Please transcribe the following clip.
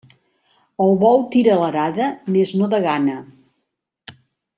El bou tira l'arada, mes no de gana.